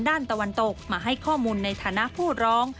ตะวันตกมาให้ข้อมูลในฐานะผู้ร้อง